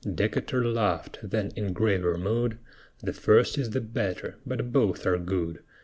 Decatur laughed; then in graver mood: "The first is the better, but both are good.